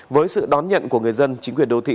với sự đón nhận của người dân chính quyền đô thị